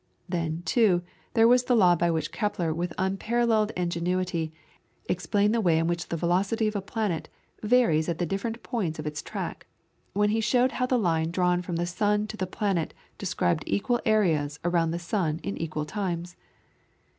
Then, too, there was the law by which Kepler with unparalleled ingenuity, explained the way in which the velocity of a planet varies at the different points of its track, when he showed how the line drawn from the sun to the planet described equal areas around the sun in equal times.